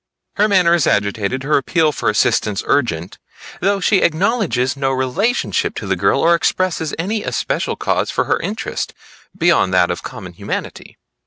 Her manner is agitated, her appeal for assistance urgent, though she acknowledges no relationship to the girl or expresses any especial cause for her interest beyond that of common humanity.